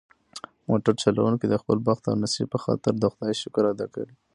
موټر چلونکي د خپل بخت او نصیب په خاطر د خدای شکر ادا کړ.